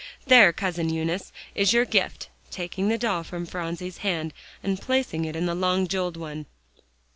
There, Cousin Eunice, is your gift," taking the doll from Phronsie's hand, and placing it in the long, jeweled one.